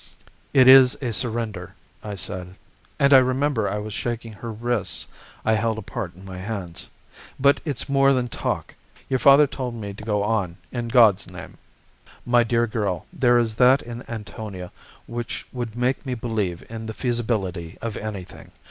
"'It is a surrender,' I said. And I remember I was shaking her wrists I held apart in my hands. 'But it's more than talk. Your father told me to go on in God's name.' "My dear girl, there is that in Antonia which would make me believe in the feasibility of anything.